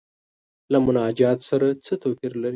له مناجات سره څه توپیر لري.